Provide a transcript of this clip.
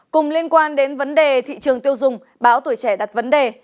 cùng liên quan đến vấn đề thị trường tiêu dùng báo tuổi trẻ đặt vấn đề